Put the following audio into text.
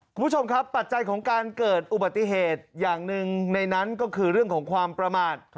คุณผู้ชมครับปัจจัยของการเกิดอุบัติเหตุอย่างหนึ่งในนั้นก็คือเรื่องของความประมาท